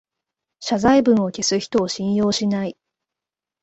謝罪文を消す人を信用しない